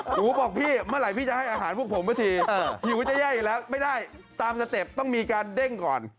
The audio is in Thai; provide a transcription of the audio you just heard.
หนูบอกพี่เมื่อไหร่พี่จะให้อาหารพวกผมสักทีหิวจะแย่อีกแล้วไม่ได้ตามสเต็ปต้องมีการเด้งก่อน